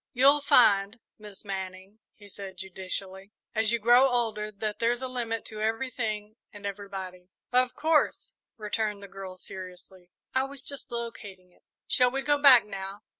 "You'll find, Miss Manning," he said judicially, "as you grow older, that there's a limit to everything and everybody." "Of course," returned the girl, seriously; "I was just locating it." "Shall we go back, now?"